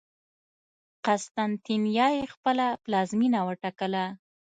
قسطنطنیه یې خپله پلازمېنه وټاکله.